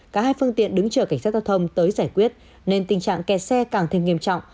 cả hai phương tiện đứng chờ cảnh sát giao thông tới giải quyết nên tình trạng kẹt xe càng thêm nghiêm trọng